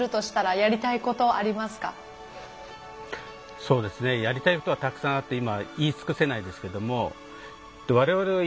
やりたいことはたくさんあって今言い尽くせないですけども。